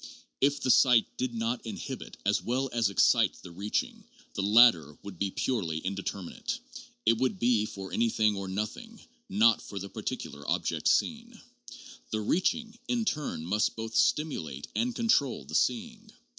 If the sight did not inhibit as well as excite the reaching, the latter would be purely indeterminate, it would be for anything or nothing, not for the particular object seen. The reaching, in turn, must both stimulate and control the seeing.